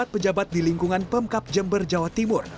empat pejabat di lingkungan pemkap jember jawa timur